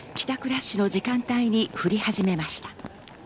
ラッシュの時間帯に降り始めました。